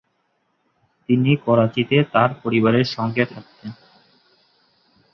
তিনি করাচিতে তার পরিবারের সঙ্গে থাকেন।